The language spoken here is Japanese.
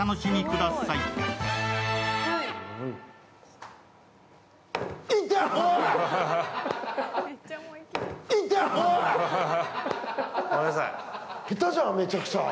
下手じゃん、めちゃくちゃ。